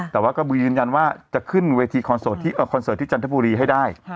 แต่ว่ากระบือยืนยันว่าจะขึ้นเวทีคอนเสิร์ตที่จันทบุรีให้ได้